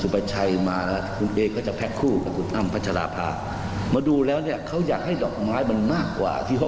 พระมูลก็เชื่อพระเจ้าแล้วละเขาต้องกลับไปหาพระเจ้าแน่นอน